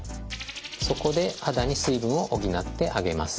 そこで肌に水分を補ってあげます。